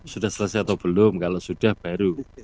sudah selesai atau belum kalau sudah baru